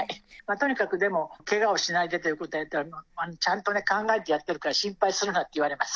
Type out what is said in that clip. とにかくでも、けがをしないでということを言ったら、ちゃんと考えてやってるから心配すんなって言われます。